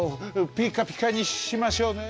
ピッカピカにしましょうね。